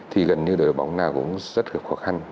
thì gần như đội bóng nào cũng rất là khó khăn